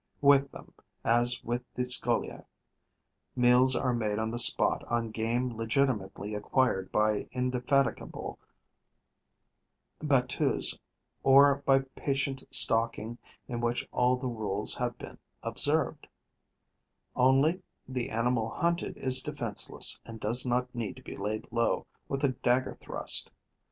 With them, as with the Scoliae, meals are made on the spot on game legitimately acquired by indefatigable battues or by patient stalking in which all the rules have been observed; only, the animal hunted is defenceless and does not need to be laid low with a dagger thrust.